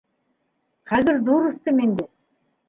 — Хәҙер ҙур үҫтем инде.